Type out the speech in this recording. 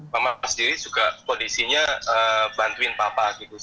mama sendiri juga kondisinya bantuin papa gitu